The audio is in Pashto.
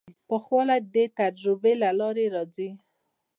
پوخوالی د تجربې له لارې راځي.